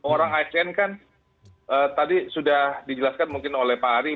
orang asn kan tadi sudah dijelaskan mungkin oleh pak ari